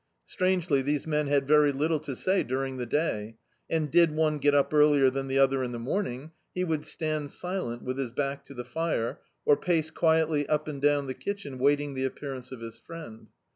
Strangely, these men had very little to say during the day; and did one get up earlier than the other in the morn ing, he would stand silent with his back to the fire, or pace quietly up and down the kitchen waiting the appearance of his friend.